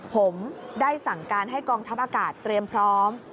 ผมได้สั่งการให้กองทัพอากาศเตรียมพร้อม